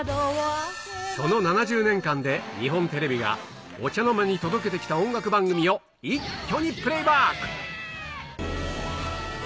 その７０年間で日本テレビがお茶の間に届けてきた音楽番組を、一挙にプレイバック。